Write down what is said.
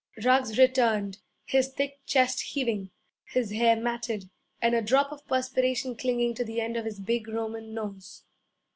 Ruggs returned, his thick chest heaving, his hair matted, and a drop of perspiration clinging to the end of his big Roman nose.